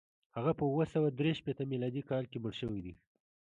هغه په اووه سوه درې شپېته میلادي کال کې مړ شوی دی.